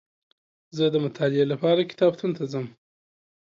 زه دمطالعې لپاره کتابتون ته ځم